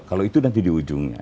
kalau itu nanti di ujungnya